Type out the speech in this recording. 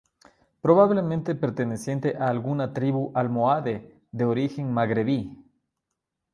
Probablemente perteneciente a alguna tribu almohade de origen magrebí.